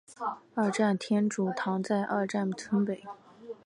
二站天主堂在二站村北。